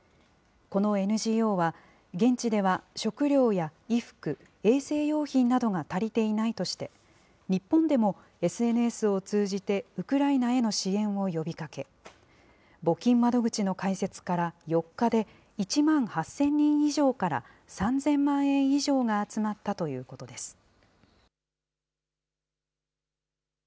このＮＧＯは、現地では食料や衣服、衛生用品などが足りていないとして、日本でもＳＮＳを通じてウクライナへの支援を呼びかけ、募金窓口の開設から４日で、１万８０００人以上から３０００万円以上が集まったということです。